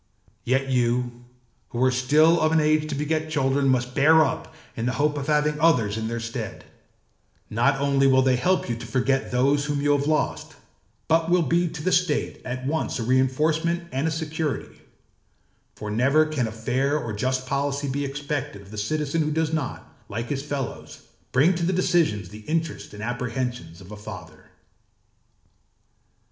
Yet you who are still of an age to beget children must bear up in the hope of having others in their stead; not only will they help you to forget those whom you have lost, but will be to the state at once a reinforcement and a security; for never can a fair or just policy be expected of the citizen who does not, like his fellows, bring to the decision the interests and apprehensions of a father.